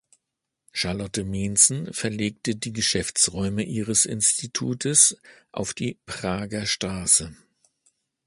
Charlotte Meentzen verlegte die Geschäftsräume ihres Institutes auf die Prager Str.